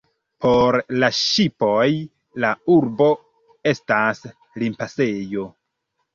Por la ŝipoj la urbo estas limpasejo.